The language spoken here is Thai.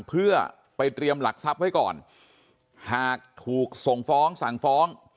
เพื่อไปเตรียมหลักทรัพย์ไว้ก่อนหากถูกส่งฟ้องสั่งฟ้อง